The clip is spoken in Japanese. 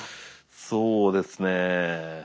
そうですね。